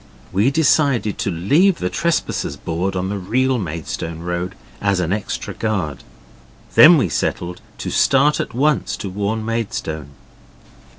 We decided to leave the Trespassers board on the real Maidstone road, as an extra guard. Then we settled to start at once to warn Maidstone.